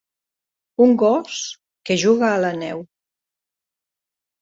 Un gos que juga a la neu